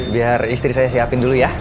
biar istri saya siapin dulu ya